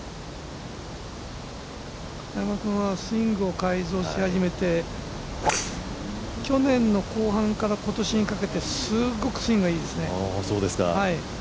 片山君はスイングを改造し始めて去年の後半から今年にかけてすっごくスイングがいいですね。